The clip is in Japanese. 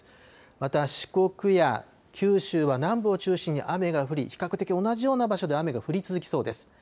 また四国や九州は南部を中心に雨が降り比較的同じような場所で雨が降り続きそうです。